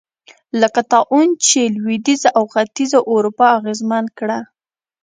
لکه طاعون چې لوېدیځه او ختیځه اروپا اغېزمن کړه.